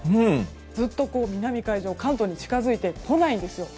ずっと南海上関東に近づいてこないんです。